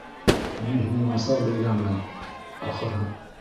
Мин һине насар белгәнмен, ахыры.